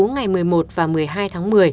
ngày một mươi một và một mươi hai tháng một mươi